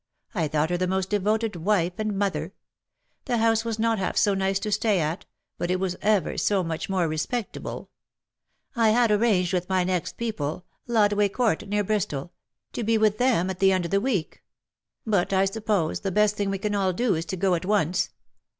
I thought her the most devoted wife and mother. The house was not half so nice to stay at ; but it was ever so much more respectable. I had arranged with my next people — Lodway Court, near Bristol — to be with them at the end of the week ; but I VOL. III. X 306 WE HAVE DONE WITH suppose the best thing we can all do is to go at once.